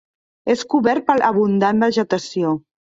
És cobert per abundant vegetació.